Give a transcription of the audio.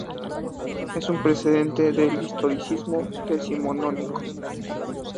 Es un precedente del historicismo decimonónico.